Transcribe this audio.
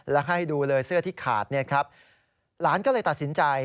และให้ดูเลยเสื้อที่ขาดเนี่ยครับหลานก็เลยตัดสินใจ